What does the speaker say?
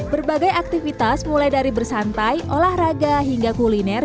berbagai aktivitas mulai dari bersantai olahraga hingga kuliner